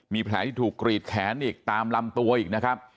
มีแผลที่ถูกกรีดแขนอีกตามลำตัวอีกนะครับ